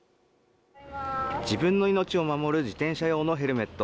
自分の命を守る自転車用のヘルメット